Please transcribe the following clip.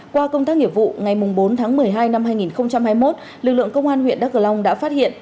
qua công tác nghiệp vụ ngày bốn tháng một mươi hai năm hai nghìn hai mươi một lực lượng công an huyện đắk cờ long đã phát hiện